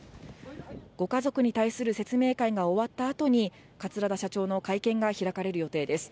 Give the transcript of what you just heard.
ご家族に対する説明会が終わったあとに、桂田社長の会見が開かれる予定です。